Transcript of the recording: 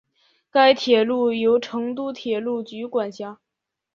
该铁路由成都铁路局管辖。